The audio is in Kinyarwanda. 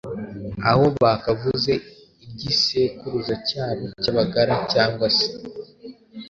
aho bakavuze iry’igisekuruza cyabo cy’Abagala cyangwa se